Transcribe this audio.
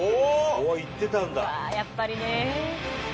やっぱりね。